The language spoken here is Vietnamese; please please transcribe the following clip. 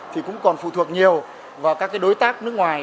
thì cũng còn phụ thuộc nhiều vào các đối tác nước ngoài